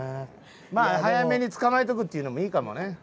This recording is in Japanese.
まあ早めに捕まえとくっていうのもいいかもね。